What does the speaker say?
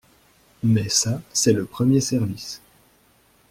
Mais ça, c'est le premier service.